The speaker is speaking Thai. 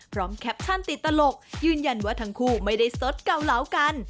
แคปชั่นติดตลกยืนยันว่าทั้งคู่ไม่ได้สดเกาเหลากัน